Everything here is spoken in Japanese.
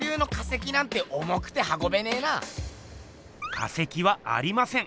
化石はありません。